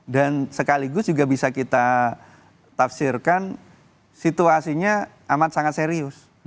dan sekaligus juga bisa kita tafsirkan situasinya amat sangat serius